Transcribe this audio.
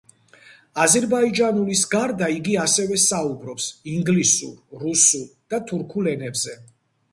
აზერბაიჯანულის გარდა, იგი ასევე საუბრობს ინგლისურ, რუსულ და თურქულ ენებზე.